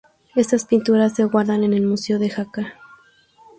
Estas pinturas se guardan en el museo de Jaca.